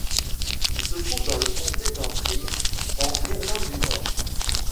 Il se trouve dans le Comté d'Antrim, en Irlande du Nord.